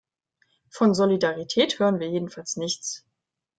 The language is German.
Von Solidarität hören wir jedenfalls nichts.